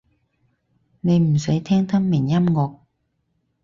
你唔使聽得明音樂